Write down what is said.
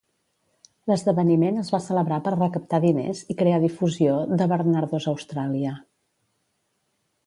L'esdeveniment es va celebrar per recaptar diners i crear difusió de Barnardos Austràlia.